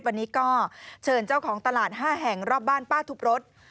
วันนี้ก็เชิญเจ้าของตลาด๕แห่งรอบบ้านป้าทุบรถ